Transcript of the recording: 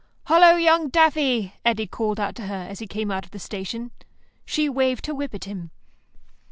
"Hullo, young Daffy," Eddy called out to her, as he came out of the station. She waved her whip at him.